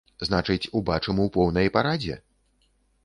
Значыць, убачым у поўнай парадзе?